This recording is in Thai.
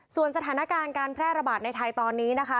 ส่วนสถานการณ์การแพร่ระบาดในไทยตอนนี้นะคะ